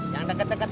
yang deket deket aja